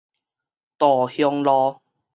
稻香路